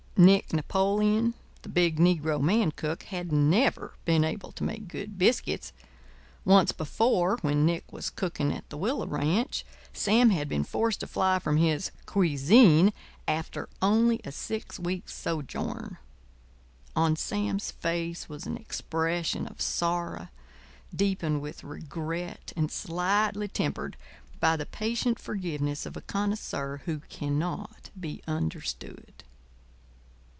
Nick Napoleon, the big Negro man cook, had never been able to make good biscuits. Once before, when Nick was cooking at the Willow Ranch, Sam had been forced to fly from his cuisine, after only a six weeks' sojourn. On Sam's face was an expression of sorrow, deepened with regret and slightly tempered by the patient forgiveness of a connoisseur who cannot be understood.